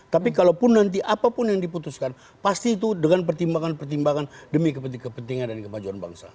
tapi kalaupun nanti apapun yang diputuskan pasti itu dengan pertimbangan pertimbangan demi kepentingan dan kemajuan bangsa